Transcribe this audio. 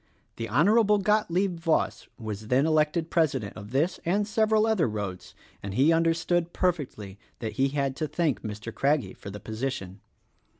The Hon. Gotlieb Voss was then elected president of this and several other roads; and he understood perfectly that 'he had to thank Mr. Craggie for the position.